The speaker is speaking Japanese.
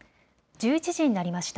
１１時になりました。